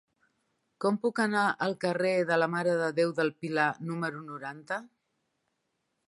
Com puc anar al carrer de la Mare de Déu del Pilar número noranta?